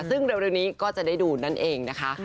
ซึ่งเร็วนี้ก็จะได้ดูนั่นเองนะคะ